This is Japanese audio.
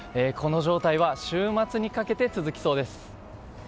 この状態は週末にかけて続きそうです。